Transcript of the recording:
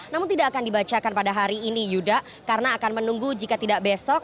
namun tidak akan dibacakan pada hari ini yuda karena akan menunggu jika tidak besok